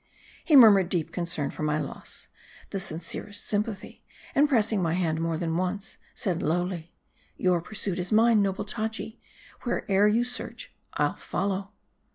He murmured deep concern for my loss, the sincerest sympathy ; and pressing my hand more than once, said lowly, "Your pursuit is mine, noble Taji. Where'er you search, I follow."